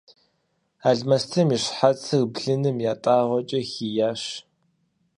Алмэстым и щхьэцыр блыным ятӏагъуэкӏэ хийящ.